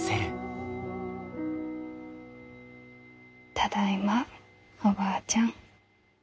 ただいまおばあちゃん。